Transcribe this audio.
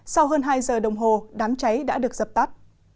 sau hơn hai giờ đồng hồ đám cháy đã được dập tắt